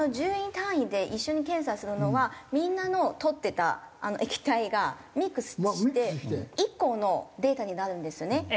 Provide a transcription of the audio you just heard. １０人単位で一緒に検査するのはみんなのを取ってたあの液体がミックスして１個のデータになるんですよね。